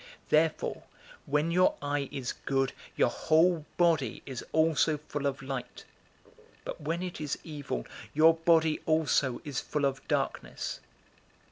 Therefore when your eye is good, your whole body is also full of light; but when it is evil, your body also is full of darkness.